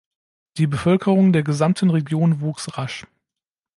Die Bevölkerung der gesamten Region wuchs rasch.